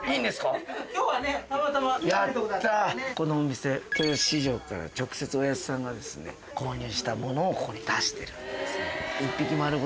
このお店豊洲市場から直接おやっさんが購入したものをここに出してるんです。